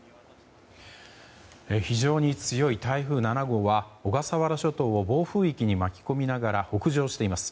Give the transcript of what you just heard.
非常に強い台風７号は小笠原諸島を暴風域に巻き込みながら北上しています。